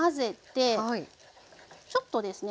ちょっとですね